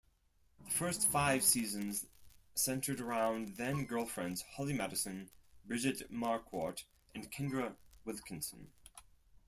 The first five seasons centered around then-girlfriends Holly Madison, Bridget Marquardt, and Kendra Wilkinson.